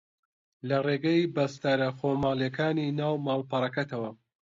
لە ڕێگەی بەستەرە خۆماڵییەکانی ناو ماڵپەڕەکەتەوە